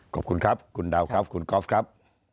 ขอบคุณครับคุณดาวครับคุณก๊อฟครับ